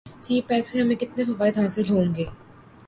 سی pack سے ہمیں کتنے فوائد حاصل ہوں گے